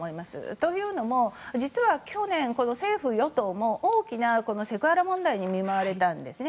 というのも、実は去年この政府・与党も大きなセクハラ問題に見舞われたんですね。